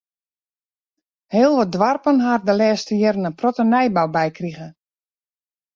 Heel wat doarpen ha der de lêste jierren in protte nijbou by krige.